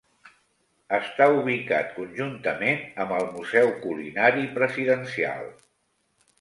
Està ubicat conjuntament amb el Museu Culinari Presidencial.